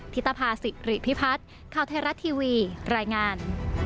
ิตภาษิริพิพัฒน์ข่าวไทยรัฐทีวีรายงาน